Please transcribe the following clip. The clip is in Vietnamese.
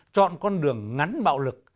chọn con đường ngắn bạo lực